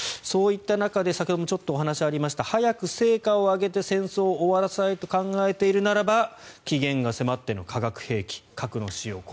そういった中で先ほどもちょっとお話がありました早く成果を上げて戦争を終わらせたいと考えているなら期限が迫っての化学兵器、核の使用